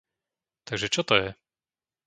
Takže čo to je?